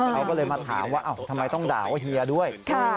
เขาก็เลยมาถามว่าทำไมต้องด่าว่าเฮียด้วย